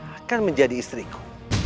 akan menjadi istriku